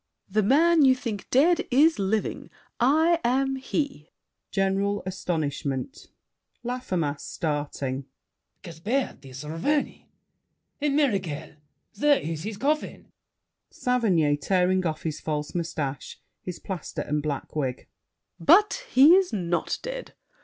The man You think is dead is living. I am he! [General astonishment. LAFFEMAS (starting). Gaspard de Saverny! A miracle! There is his coffin. SAVERNY (tearing off his false mustache, his plaster, and black wig). But he is not dead!